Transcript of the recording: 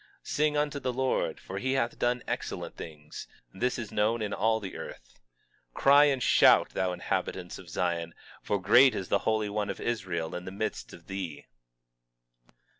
22:5 Sing unto the Lord; for he hath done excellent things; this is known in all the earth. 22:6 Cry out and shout, thou inhabitant of Zion; for great is the Holy One of Israel in the midst of thee.